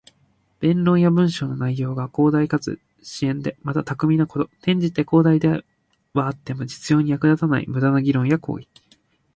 弁論や文章の内容が広大かつ深遠で、また巧みなこと。転じて、広大ではあっても実用には役立たない無駄な議論や行為。